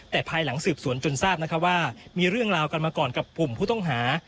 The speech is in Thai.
แต่ภายหลังสืบสวนจนทราบนะคะว่ามีเรื่องราวกันมาก่อนกับกลุ่มผู้ต้องหา